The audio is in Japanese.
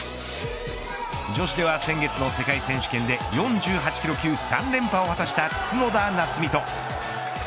女子では先月の世界選手権で４８キロ級３連覇を果たした角田夏実と。